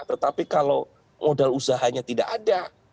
tetapi kalau modal usahanya tidak ada